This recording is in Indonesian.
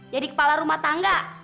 jadi kepala rumah tangga